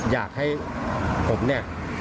อยากให้ผมเนี่ย